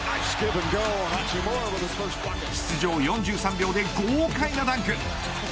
出場４３秒で豪快なダンク。